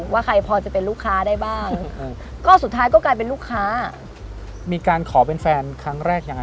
ว่าภอทิเชียร์พอจะเป็นลูกค้าได้บ้าง